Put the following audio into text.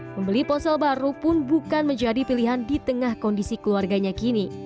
membeli ponsel baru pun bukan menjadi pilihan di tengah kondisi keluarganya kini